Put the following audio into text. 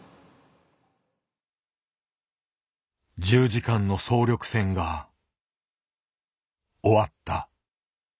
１０時間の総力戦が終わった。